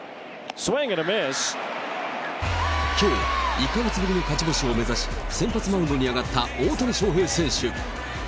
きょう、１か月ぶりの勝ち星を目指し、先発マウンドに上がった大谷翔平選手。